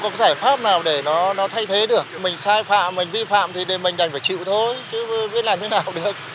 không có giải pháp nào để nó thay thế được mình sai phạm mình vi phạm thì mình đành phải chịu thôi chứ biết làm thế nào được